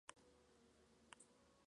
Perteneciente a la antigua Casa de Zúñiga.